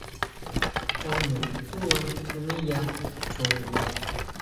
Xtaña tsúʼba keneya choon.